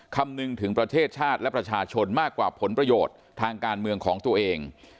คำนึงถึงประเทศชาติและประชาชนมากกว่าผลประโยชน์ทางการเมืองของตัวเอง